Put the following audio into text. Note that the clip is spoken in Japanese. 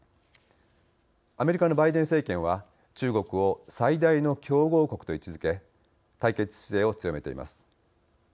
アメリカのバイデン政権は中国を最大の競合国と位置づけ対決姿勢を強めています。